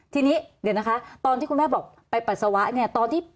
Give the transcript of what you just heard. ทีนี้เดี๋ยวนะคะตอนที่คุณแม่บอกไปปัสสาวะเนี่ยตอนที่